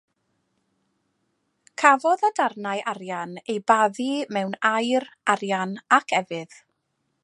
Cafodd y darnau arian eu bathu mewn aur, arian ac efydd.